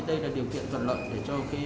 đây là điều kiện toàn loạn để cho cái vi khuẩn